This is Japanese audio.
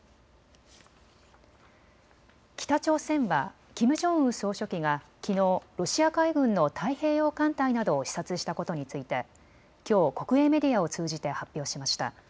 北朝鮮はキム・ジョンウン総書記がきのうロシア海軍の太平洋艦隊などを視察したことについてきょう国営メディアを通じて発表しました。